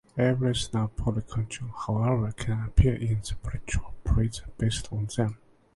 Every snub polyhedron however can appear in the polyhedral prism based on them.